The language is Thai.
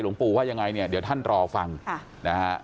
ปู่ว่ายังไงเนี่ยเดี๋ยวท่านรอฟังนะฮะ